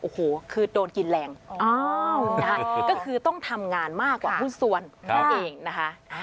โอ้โหคือโดนกินแรงก็คือต้องทำงานมากกว่าหุ้นส่วนนั่นเองนะคะ